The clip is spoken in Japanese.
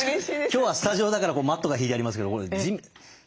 今日はスタジオだからマットが敷いてありますけどこれ土ですからね。